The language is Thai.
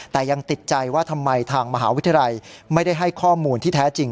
แต่ยังติดใจว่าทำไมทางมหาวิทยาลัยไม่ได้ให้ข้อมูลที่แท้จริง